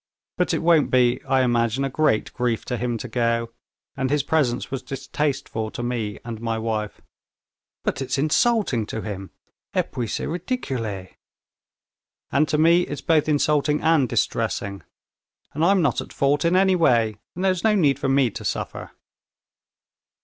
But it won't be, I imagine, a great grief to him to go, and his presence was distasteful to me and to my wife." "But it's insulting to him! Et puis c'est ridicule." "And to me it's both insulting and distressing! And I'm not at fault in any way, and there's no need for me to suffer."